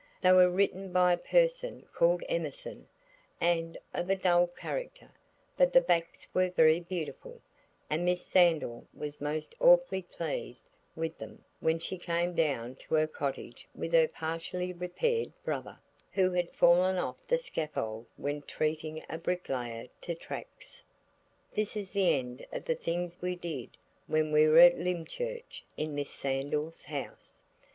They were written by a person called Emerson, and of a dull character, but the backs were very beautiful, and Miss Sandal was most awfully pleased with them when she came down to her cottage with her partially repaired brother, who had fallen off the scaffold when treating a bricklayer to tracts. This is the end of the things we did when we were at Lymchurch in Miss Sandal's house.